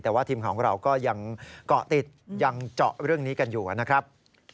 แต่ว่าทีมข่าวของเราก็ยังเกาะติดยังเจาะเรื่องนี้กันอยู่นะครับ